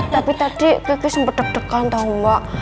tapi tadi kiki sempet deg degan tau mbak